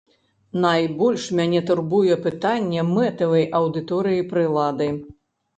Найбольш мяне турбуе пытанне мэтавай аўдыторыі прылады.